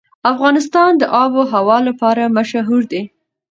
افغانستان د آب وهوا لپاره مشهور دی.